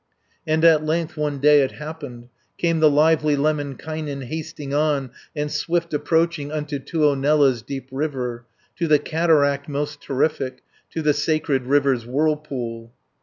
400 And at length one day it happened, Came the lively Lemminkainen Hasting on, and swift approaching Unto Tuonela's deep river, To the cataract most terrific, To the sacred river's whirlpool.